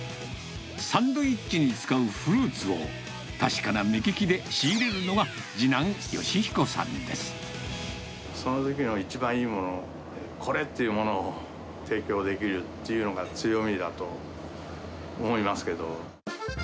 サンドイッチに使うフルーツを確かな目利きで仕入れるのが次男、その時期の一番いいものを、これっていうものを提供できるっていうのが強みだと思いますけど。